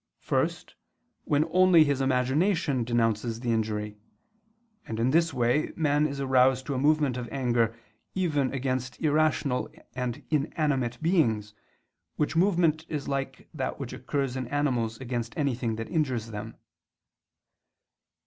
First, when only his imagination denounces the injury: and, in this way, man is aroused to a movement of anger even against irrational and inanimate beings, which movement is like that which occurs in animals against anything that injures them.